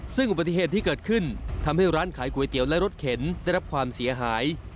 ซึ่งอุบัติเหตุที่เกิดขึ้นทำให้ร้านขายก๋วยเตี๋ยวและรถเข็นได้รับความเสียหาย